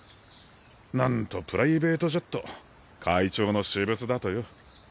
なんとプライベートジェット会長の私物だとよ。